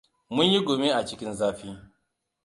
Mun yi gumi a cikin zafi.